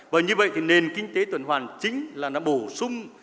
và như vậy thì nền kinh tế tuần hoàn chính là nó bổ sung